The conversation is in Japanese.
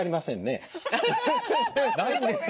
ないんですか？